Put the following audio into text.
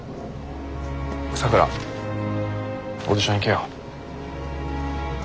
咲良オーディション行けよ。